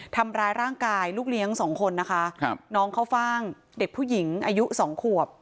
ทำร้ายร่างกายลูกเลี้ยงสองคนนะคะครับน้องเข้าฟ่างเด็กผู้หญิงอายุสองขวบ